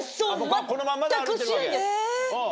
このまんまで歩いてるわけ？